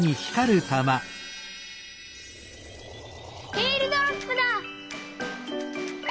エールドロップだ！